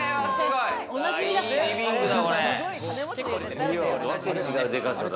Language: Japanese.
いいリビングだ！